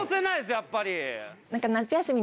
やっぱり。